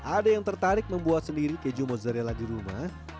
ada yang tertarik membuat sendiri keju mozzarella di rumah